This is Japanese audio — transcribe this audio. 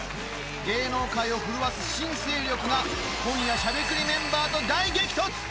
芸能界を震わす新勢力が今夜しゃべくりメンバーと大激突！